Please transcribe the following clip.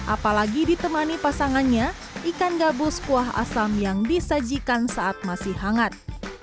apalagi ditemani pasangannya ikan gabus kuah asam yang disajikan saat masih hangat